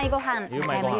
中山優